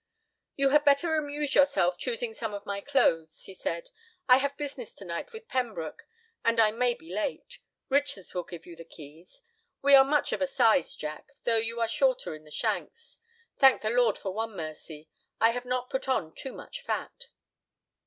"You had better amuse yourself choosing some of my clothes," he said. "I have business to night with Pembroke, and I may be late. Richards will give you the keys. We are much of a size, Jack, though you are shorter in the shanks. Thank the Lord for one mercy, I have not put on too much fat."